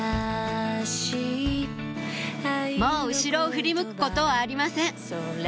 もう後ろを振り向くことはありません